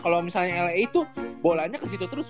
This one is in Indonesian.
kalau misalnya la itu bolanya ke situ terus